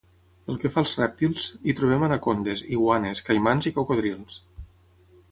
Pel que fa als rèptils, hi trobem anacondes, iguanes, caimans i cocodrils.